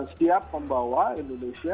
siap membawa indonesia